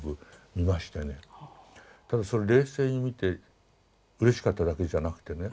ただそれ冷静に見てうれしかっただけじゃなくてね